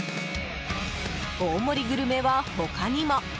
大盛りグルメは、他にも。